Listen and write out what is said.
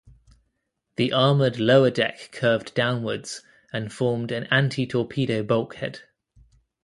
The armored lower deck curved downwards and formed an anti-torpedo bulkhead.